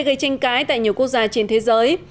gây tranh cãi tại nhiều quốc gia trên thế giới